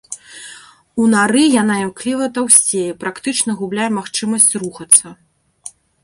У нары яна імкліва таўсцее, практычна губляе магчымасць рухацца.